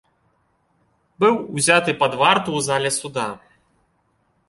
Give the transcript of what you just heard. Быў узяты пад варту ў зале суда.